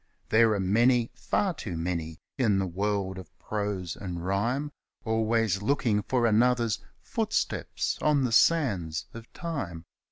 There are many, far too many, in the world of prose and rhyme, Always looking for another's ' footsteps on the sands of time.'